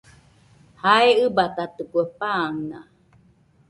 Jae ɨbatatikue, pan naa.